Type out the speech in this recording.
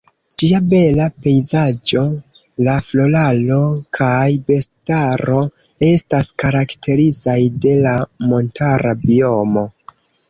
Ĝia bela pejzaĝo, la floraro kaj bestaro estas karakterizaj de la montara biomo.